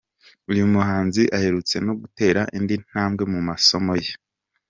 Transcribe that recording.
Uyu muhanzi aherutse no gutera indi ntambwe mu masomo ye.